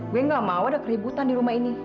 gue gak mau ada keributan di rumah ini